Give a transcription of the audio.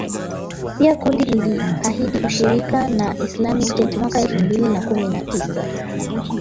Pia kundi liliahidi ushirika na Islamic State mwaka elfu mbili na kumi na tisa